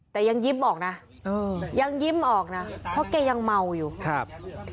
แต่ยังยิ้มออกนะเออยังยิ้มออกนะเพราะแกยังเมาอยู่ครับ